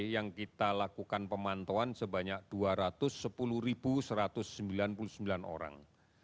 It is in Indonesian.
yang kita lakukan pemantauan sebanyak dua ratus sepuluh satu ratus sembilan puluh sembilan orang